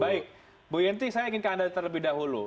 baik bu yenti saya ingin ke anda terlebih dahulu